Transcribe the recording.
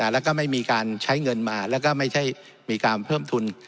แล้วก็ไม่มีการใช้เงินมาแล้วก็ไม่ใช่มีการเพิ่มทุน